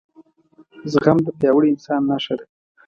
زغم دپیاوړي انسان نښه ده